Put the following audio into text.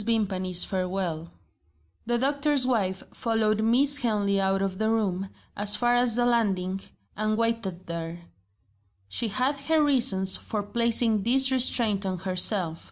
VIMPANY'S FAREWELL THE doctor's wife followed Miss Henley out of the room, as far as the landing and waited there. She had her reasons for placing this restraint on herself.